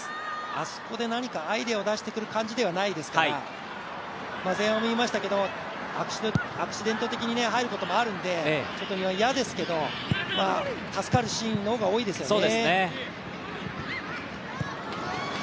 あそこで何かアイデアを出してくる感じではないですから、前半も言いましたけど、アクシデント的に入ることもあるんで、日本は嫌ですけど、助かるシーンの方が多いですよね。